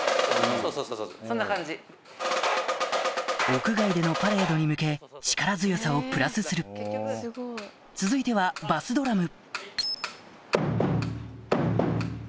屋外でのパレードに向け力強さをプラスする続いてはバスドラム